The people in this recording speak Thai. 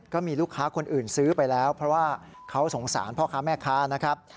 ก็มีลูกค้าคนอื่นซื้อไปแล้วเพราะว่าเขาสงสารพ่อค้าแม่ค้านะครับ